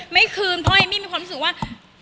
ไม่คืนเพราะเอมมี่มีความรู้สึกว่า